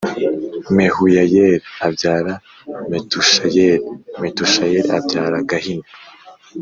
Mehuyayeli abyara Metushayeli Metushayeli abyara gahini